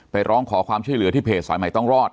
ร้องขอความช่วยเหลือที่เพจสายใหม่ต้องรอด